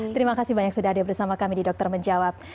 terima kasih banyak sudah ada bersama kami di dokter menjawab